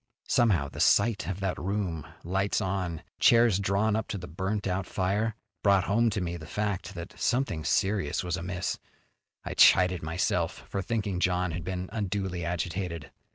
Somehow, the sight of that room, lights on, chairs drawn up to the burnt out fire, brought home to me the fact that something serious was amiss. I chided myself for thinking John had been unduly agitated.